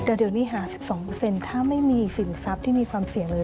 แต่เดี๋ยวนี้หา๑๒ถ้าไม่มีสินทรัพย์ที่มีความเสี่ยงเลย